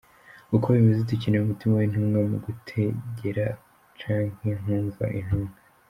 Uko bimeze, dukeneye umutima w’intumwa mu gutegera canke kwumva intumwa.